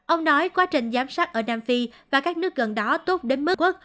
ông nói quá trình giám sát ở nam phi và các nước gần đó tốt đến mức ức